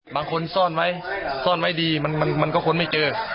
ซ่อนไว้ซ่อนไว้ดีมันก็ค้นไม่เจอ